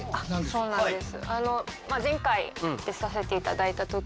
そうなんです。